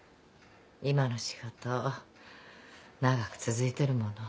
今の仕事長く続いてるもの。